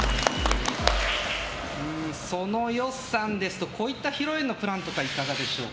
その予算ですとこういった披露宴のプラントかいかがでしょう。